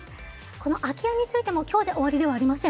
この空き家についても今日で終わりではありません。